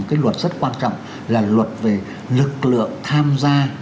cái luật rất quan trọng là luật về lực lượng tham gia